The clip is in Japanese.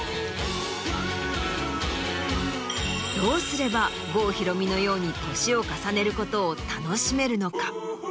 どうすれば郷ひろみのように年を重ねることを楽しめるのか？